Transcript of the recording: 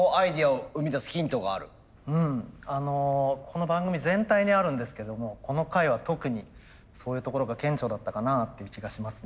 この番組全体にあるんですけどもこの回は特にそういうところが顕著だったかなっていう気がしますね。